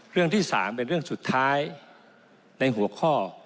เรื่องที่๓เป็นเรื่องสุดท้ายในหัวข้อ